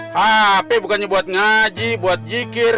hp bukannya buat ngaji buat zikir